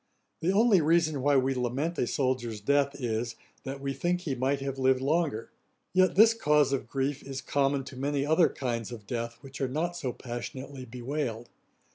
The only reason why we lament a soldier's death, is, that we think he might have lived longer; yet this cause of grief is common to many other kinds of death which are not so passionately bewailed.